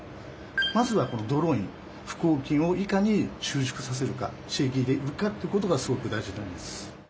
まずはこのドローイン腹横筋をいかに収縮させるか刺激できるかってことがすごく大事になります。